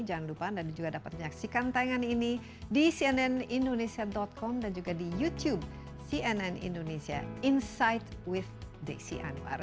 jangan lupa anda juga dapat menyaksikan tayangan ini di cnnindonesia com dan juga di youtube cnn indonesia insight with desi anwar